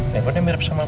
handphone yang mirip sama